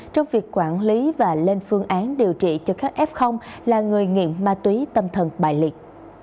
trong việc quản lý và lên phương án điều trị cho các f là người nghiện ma túy tâm thần bài liệt